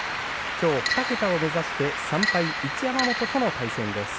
きょう２桁を目指して３敗一山本との対戦です。